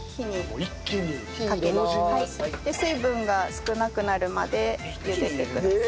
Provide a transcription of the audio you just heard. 水分が少なくなるまで茹でてください。